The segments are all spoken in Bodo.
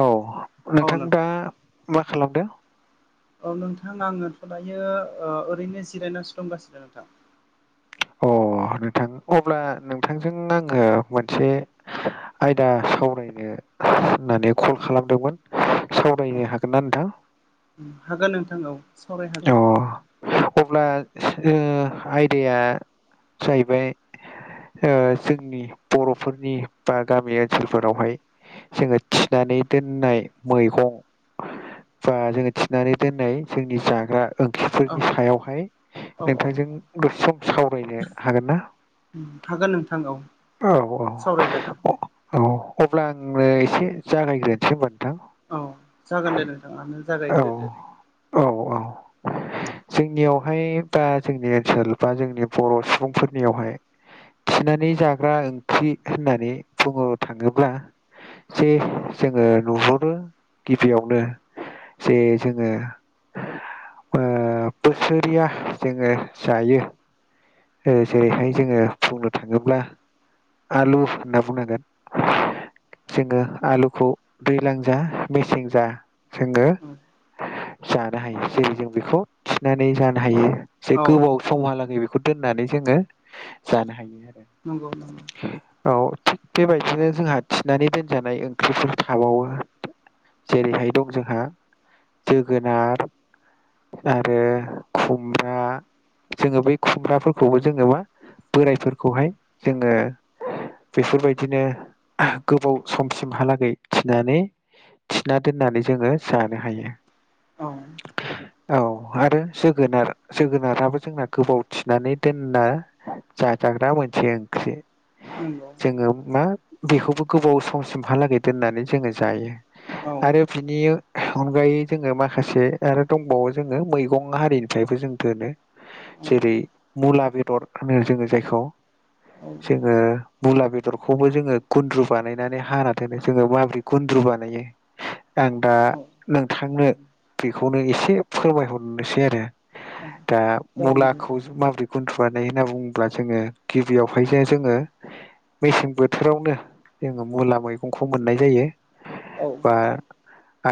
औ नोंथां दा मा खालामदों? औ नोंथां आङोथ' दायो ओरैनो जिरायनानैसो दंगासिनो नोंथां। अ नोंथां अब्ला नोंथांजों आङो मोनसे आयदा सावरायनो होननानै कल खालामदोंमोन। औ सावरायनो हागोन ना नोंथां? हागोन नोंथां औ सावराय अ हागोन। अब्ला ओ आयदाया जायबाय ओ जोंनि बर'फोरनि बा गामि ओनसोलफोरावहाय जोङो थिनानै दोननाय मैगं बा जोङो थिनानै दोननाय जोंनि जाग्रा औ ओंथिफोरनि सायावहाय औ नोंथांजों गोसो सम सावरायनो हागोन ना? हागोन नोंथां औ औ औ सावरायजागोन औ औ अब्ला आंनो एसे जागायग्रोसै होनब नोंथां। औ जागोन दे नोंथाङानो औ जागायग्रोदो औ औ जोंनियावहाय बा जोंनि ओनसोल बा जोंनि बर' सुबुंफोरनियावहाय थिनानै जाग्रा ओंख्रि होननानै बुंनो थाङोब्ला जे जोङो नुहनो गिबियावनो जे जोङो ओ बोसोरया जोङो जायो जेरैहाय जोङो बुंनो थाङोब्ला आलु होनना बुंनांगोन जोङो आलुखौ दैज्लां जा मेसें जा जोङो औ जानो हायो जेरै जों बेखौ थिनानै जानो हायो जे औ गोबाव समहालागै बेखौ दोननानै जोङो जानो हायो आरो। नंगौ नंगौ औ थिग बेबायदिनो जोंहा थिनानै दोनजानाय ओंख्रिफोर थाबावो जेरैहाय दं जोंहा जोगोनार आरो खुमब्रा जोङो बै खुमब्राफोरखौबो जोङोबा बोरायफोरखौहाय जोङो बेफोरबायदिनो गोबाव समसिमहालागै थिनानै थिना दोननानै जोङो जानो हायो। औ औ आरो जोगोनार जोगोनाराबो जोंना गोबाव थिनानै दोनना जाजाग्रा मोनसे ओंख्रि। नोंगौ जोङो मा बेखौबो गोबाव समसिमहालागै दोननानै जोङो जायो। औ आरो बिनि अनगायै जोङो माखासे आरो दंबावो जोङो मैगं हारिनिफ्रायबो जों दोनो। औ जेरै मुला बेदर होनो जोङो जायखौ औ जोङो मुला बेदरखौबो जोङो गुन्द्रु बानायनानै हाना दोनो जोङो माब्रै गुन्द्रु बानायो। आं दा औ नोंथांनो बेखौनो एसे फोरमायहरनोसै आरो औ दा जागोन मुला दे खौ माब्रै गुन्दुवानाय होनना बुङोब्ला जोङो गिबियावहाय जो-जोङो मेसें बोथोरावनो जोङो मुला मैगंखौ मोननाय जायो। औ बा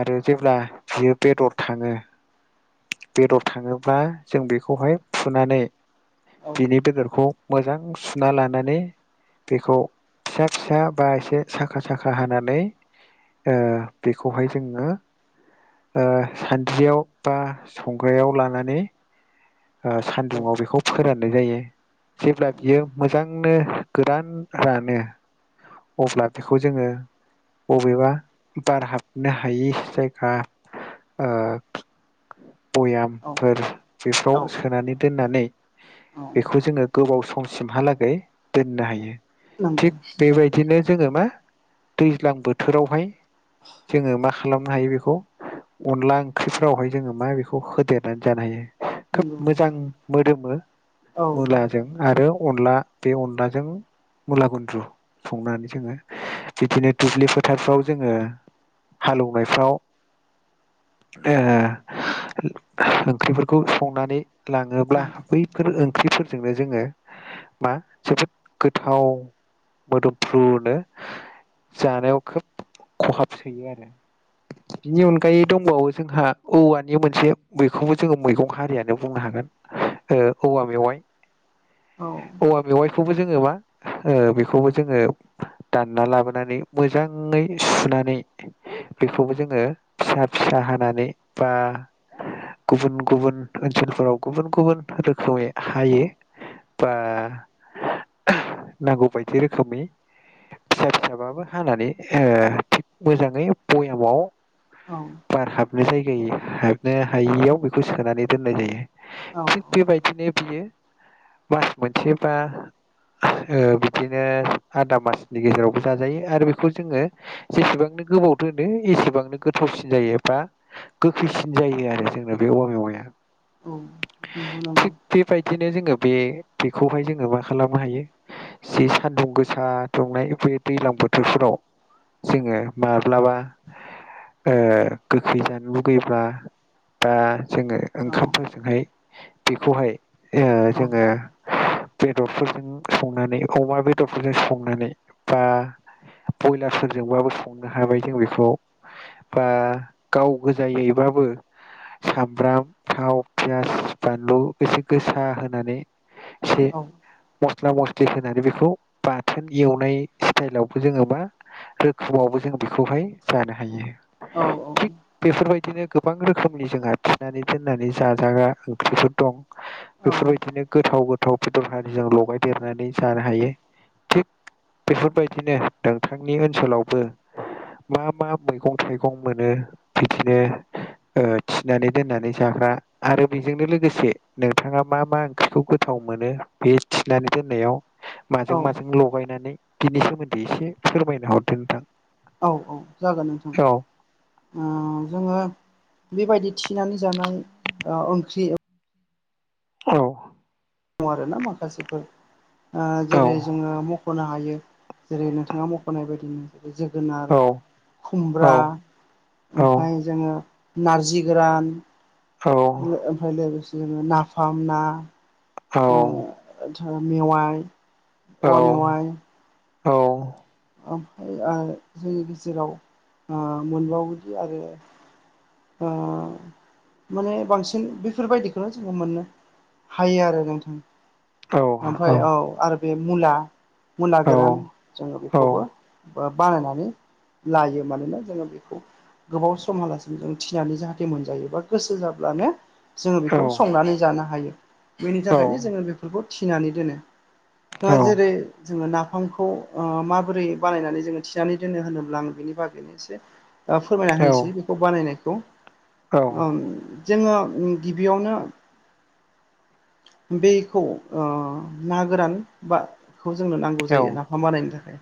आरो जेब्ला बियो बेदर थाङो बेदर थाङोब्ला जों बेखौहाय फुनानै बिनि औ बेदरखौ मोजां सुना लानानै बेखौ फिसा फिसा बा एसे साखा साखा हानानै ओ बेखौहाय जोङो ओ सानद्रियाव बा संग्रायाव लानानै ओ सान्दुंआव बेखौ फोरान नाय जायो जेब्ला बियो मोजांनो गोरान रानो अब्ला बेखौ जोङो बबेबा बार हाबनो हायि जायगा ओ औ भयामफोर बेफोराव औ सोनानै दोननानै औ बेखौ जोङो गोबाव सम। सिमहालागै दोननो हायो नंगौ थिग बेबाय दिनो जोङो मा दैज्लां बोथोरावहाय जोङो मा खालामनो हायो बेखौ अनला ओंख्रिफोरावहाय जोङो मा बेखौ होदेरनानै जानो हायो। खोब नंगौ मोजां मोदोमो औ मुला जों आरो अनला बे अनलाजों मुला गुन्द्रु संनानै जोङो बिदिनो दुब्लि फोथारफ्राव जोङो। हालोवनायफ्राव ओ ओंख्रिफोरखौ संनानै। लाङोब्ला औ बैफोर ओंख्रिफोरजोंनो जोङो मा जोबोद गोथाव मोदोमफ्रुनो जानायाव खोब खहाब सोयो आरो [inaudible] बिनि अनगायै दंबावो जोंहा औवानि मोनसे बखौबो जोङो मैगं हारियानो बुंनो हागोन। ओ औवा मेवाइ औ औवा मेवाइखौबो जोङो मा ओ बेखौबो जोङो दानना लाबोनानै मोजाङै सुनानै। बेखौबो जोङो फिसा फिसा हानानै बा। गुबुन गुबुन ओनसोलफोराव गुबुन गुबुन रोखोमै हायो बा नांगौ बायदि रोखोमनि फिसा फिसाबाबो हानानै ओ मोजाङै भयामाव औ बार हाबनो जायगाय हाबनो हायियाव बेखौ सोनानै दोननाय जायो औ औ बेबायदिनो बियो मास मोनसे बा ओ बिदि नो आदा मासनि गेजेरावबो जाजायो आरो बेखौ जोङो जेसेबांनो गोबाव दोनो एसेबांनो गोथावसिन जायो बा। गोख्रैसिन जायो आरो जोंना बे औवा मेवाया। औ नोंगौ नोंगौ थिग बेबायदिनो जोङो बे बेखौहाय जोङो मा खालामनो हायो जि सानदुं गोसा दुंनाय बे दैज्लां बोथोरफोराव। जोङो माब्लाबा ओ गोखै जानो लुगैब्ला। बा जोङो औ ओंखामफोरजोंहाय बेखौहाय। ओ औ जोङो बेदरफोरजों संनानै अमा बेदरफोरजों संनानै बा। ब्रयलारफोरजोंबाबो संनो हाबाय जों बेखौ बा गाव गोजायैब्लाबो सामब्राम थाव पियास बानलु एसे गोसा होनानै जे औ मस्ला-मस्लि होननानै बेखौ बाथोन एवनाय स्टाइलावबो जोङो मा रोखोमावबो जों बेखौहाय जानो हायो। औ औ। थिग बेफोरबायदिनो गोबां रोखोमनि जोंहा थिनानै दोननानै जाजाग्रा ओंख्रिफोर दं। बेफोरबायदिनो गोथाव-गोथाव बेदर आरिजों लगायदेरनानै जानो हायो थिग बेफोरबायदिनो नोंथांनि ओनसोलावबो मा-मा मैगं थाइगं मोनो बिदिनो ओ थिनानै दोननानै जाग्रा आरो बेजोंनो लोगोसे नोंथाङा मा-मा ओंख्रिखौ गोथाव मोनो बे थिनानै दोननायाव? औ माजों-माजों लगायनानै बिनि सोमोन्दै एसे फोरमायना हरदो नोंथां। औ औ जागोन नोंथां। औ उम जोङो बे बायदि थिनानै जानाय ओ ओंख्रि दङ औ। दङ आरोना माखासेफोर। औ जेरै- जोङो मख'नो हायो जेरै नोंथाङा मख'नाय बायदिनो जोगोनार, औ औ खुमब्रा औ ओमफ्राय जोङो नारजि गोरान, लोगोसे जोङो नाफाम ना, मेवाइ, औवा मेवाइ औ औ। ओमफ्राय ओ जोंनि गेजेराव ओ मोनबावदि आरो ओ माने बांसिन बेफोरबायदिखौनो जोङो मोननो हायो आरो नोंथां। ओमफ्राय औ आरो बे मुला-मुला गोरान जोङो बेखौबो ओ बानायनानै लायो। मानोना जोङो बेखौ गोबाव समहालासे जों थिनानै जाहाथे मोनजायो बा गोसो जाब्लानो जोङो बेखौ संनानै जानो हायो। बेनि थाखायनो जोङो बेफोरखौ थिनानै दोनो। दा जेरै जोङो नाफामखौ ओ माबोरै बानायनानै जोङो थिनानै दोनो होनोब्ला बेनि बागैनो एसे फोरमायना होनोसै बेखौ बानायनायखौ जोङो गिबियावनो बेखौ ओ ना गोरान नाखौ जोंनो नांगौ जायो नाफाम बानायनो थाखाय।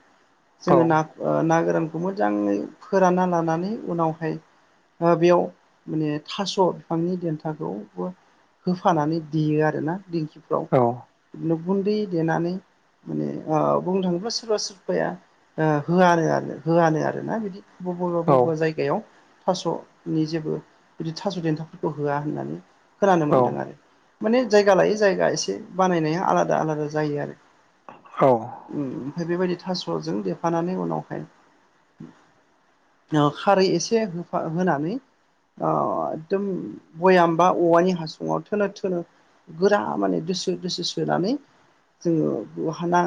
जोङो ना ना गोरानखौ मोजाङै फोरानना लानानै उनावहाय ओ बेयाव माने थास' बिफांनि देन्थाखौबो होफानानै देयो आरोना दिंखिफ्राव। बिदिनो गुन्दै देनानै माने ओ बुंनो थाङोब्ला सोरबा-सोरबाया होआनो आरो होआनो आरोना बिदि बबेबा-बबेबा जायगायाव थास'नि जेबो बिदि थास' देन्थाफोरखौ होआ होननानै खोनानो मोन्दों आरो। माने जायगा लायै जायगा एसे बानायनाया आलादा-आलादा जायो आरो। औ। उम ओमफ्राय बे बायदि थास'जों देफानानै उनावहाय ओ खारै एसे होफा होनानै ओ एकदम बयामबा औवानि हासुङाव थोनो-थोनो गोरा माने दोसो-दोसो सोनानै जोङो बहा ना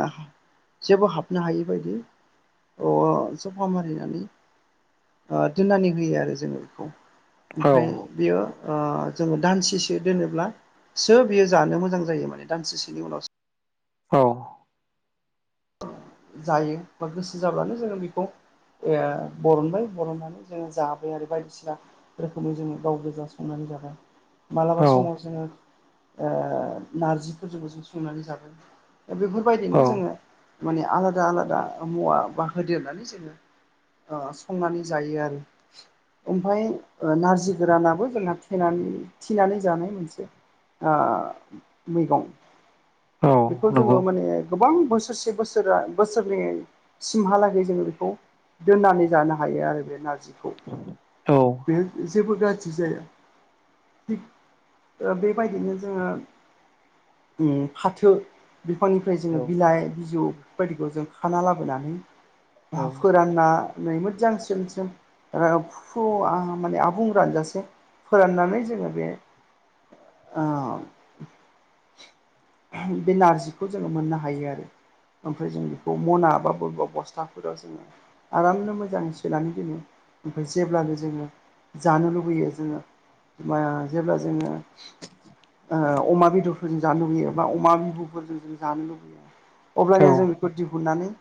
जेबो हाबनो हायै बायदि सफा मारिनानै ओ दोननानै होयो आरो जोङो बेखौ। ओमफ्राय बियो ओ जोङो दानसेसो दोनोब्ला सो बियो जानो मोजां जायो माने दानसेसेनि उनावसो। औ। जायो बा गोसो जाब्लानो जोङो बेखौ बरनबाय बरननानै जोङो जाबाय आरो बायदिसिना। रोखोमै जोङो गाव गोजा संनानै जाबाय, मालाबा समाव जोङो। नारजिफोरजोंबो जों संनानै जाबाय दा बेफोरबायदिनो जोङो माने आलादा आलादा मुवा बा होदेरनानै जोङो संनानै जायो आरो। ओमफ्राय नारजि गोरानाबो जोंहा थेनानै थिनानै जानाय मोनसे आ मैगं बेखौ जोङो नंगौ माने गोबां बोसोरसे बोसोरा बोसोरनै सिमहालागै जोङो बेखौ दोननानै जानो हायो आरो बे नारजिखौ औ बे जेबो गाज्रि जाया, थिक बेबायदिनो जोङो फाथो बिफांनिफ्राय जोङो औ बिलाइ बिजौ बे बायदिखौ जों खाना लाबोनानै औ फोराननानै मोजांसि स्रेम स्रेम फुवा माने आबुं रानजासे फोराननानै जोङो बे [inaudible] बे नारजिखौ जोङो मोननो हायो आरो। ओमफ्राय जों बेखौ मना बा बबेबा बस्थाफोराव जोङो आरामनो मोजाङै सोननानै दोनो ओमफ्राय जेब्लानो जोङो जानो लुबैयो जोङो जेब्ला जोङो अमा बेदरफोरजों जानो लुबैयो बा अमा बिबुफोरजों जों जानो लुुबैयो औ अब्लानिया जों बेखौ दिहुननानै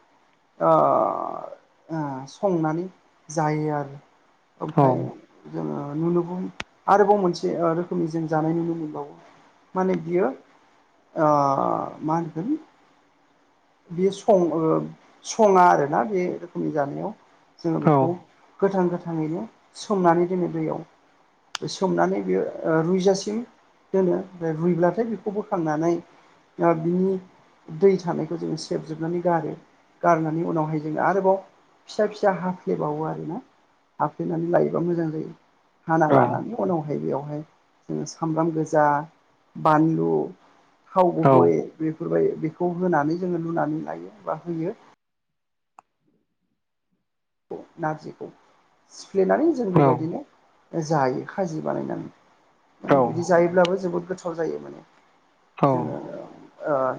संनानै जायो आरो ओमफ्राय औ जोङो नुनोबो आरोबाव मोनसे रोखोमनि जों जानाय नुनो मोनबावो, माने बियो मा होनगोन बे सं सङा आरोना बे रोखोमनि जानायाव जोङो बेखौ औ गोथां गोथाङैनो संनानै दोनो दैयाव सोमनानै बेयो रुइजासिम दोनो ओमफाय रुइब्लाथाय बेखौ बोखांनानै बिनि दै थानाय बेखौ जोङो सेबजोबनानै गारो, गारनानै उनावहाय जोङो आरोबाव फिसा फिसा हाफ्लेबावो आरोना हाफ्लेनानै लायोबा मोजां जायो हाना लानानै उनावहाय बेवहाय जोङो सामब्राम गोजा बानलु थाव गुबै बेफोरबायदि बेखौ होनानै जोङो लुनानै लायो बा होयो नारजिखौ सिफ्लेनानै जों बेबायदिनो जायो खाजि बानायनानै माने बिदि जायोब्लाबो जोबोद गोथाव जायो। माने जोङो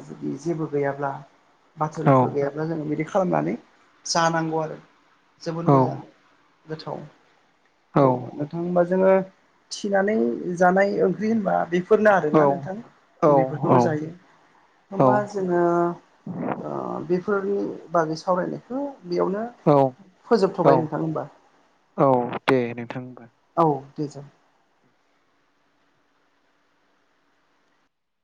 जुदि जेबो गैयाब्ला बाथोनफोर गैयाब्ला जोङो बिदि खालामनानै जानांगौ आरो। जोबोद मोजां गोथाव औ नोंथां बा जोङो थिनानै जानाय ओंख्रि होनबा बे फोरनो आरोना नोंथां जों बेफोरखौनो जायो। हमबा जोङो बेफोरनि बागै सावरायनायखौ बेयावनो औ औ फोजोबथ'बाय औ नोंथां होमबा। औ दे नोंथां हमबा। औ दे जागोन।